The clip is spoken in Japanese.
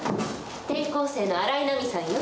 転校生の新井波さんよ。